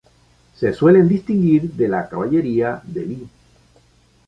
Se suelen distinguir de la caballería "deli".